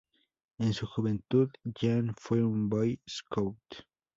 En su juventud Jan fue un boy scout.